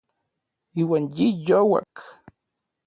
Iuan yi youak.